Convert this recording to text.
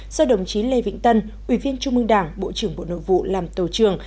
do đồng chí lê vĩnh tân ủy viên trung mương đảng bộ trưởng bộ nội vụ làm tổ trường